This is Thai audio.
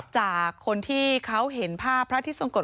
จากคนที่เขาเห็นภาพพระอาทิตย์ทรงกฎ